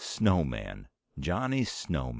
Snowman! Johnny Snowman."